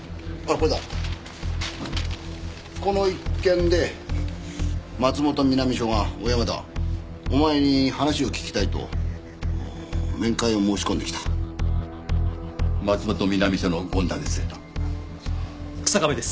これだこの一件で松本南署が小山田お前に話を聞きたいと面会を申し込んできた松本南署の権田です